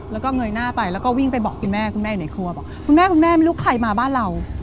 แล้วก็เงยหน้าไปแล้วก็วิ่งไปบอกคุณแม่คุณแม่อยู่ในครัวบอกคุณแม่คุณแม่ไม่รู้ใครมาบ้านเรา